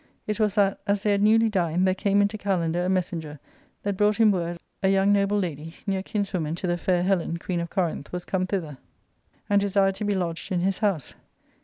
It was that, as they had ' 1 1 newly dined, there came into Kalander a messenger, that brought him word a young noble lad^, near kinswoman to the fair Helen, queen of Corinth, was come thither, and desired to be lodged in his house.